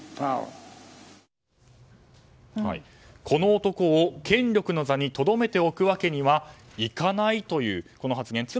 この男を権力の座にとどめておくわけにはいかないという発言。